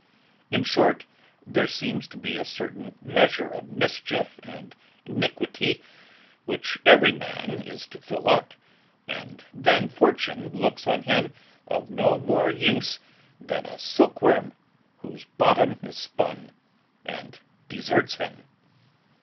In short, there seems to be a certain measure of mischief and iniquity which every great man is to fill up, and then Fortune looks on him of no more use than a silkworm whose bottom is spun, and deserts him.